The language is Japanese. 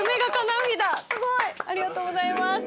ありがとうございます。